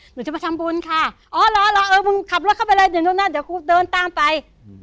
หนูจะไปทำบุญค่ะอ๋อเหรอเออมึงขับรถเข้าไปเลยเดี๋ยวนู่นนั่นเดี๋ยวกูเดินตามไป